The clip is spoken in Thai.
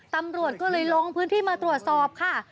ตำรวจก็เลยลงพื้นที่มาตรวจสอบค่ะ